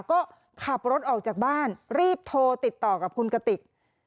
ก็ขับรถออกจากบ้านรีบโทรติดต่อกับคุณกติก